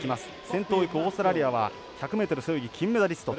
先頭を行くオーストラリアは１００ｍ背泳ぎ金メダリスト。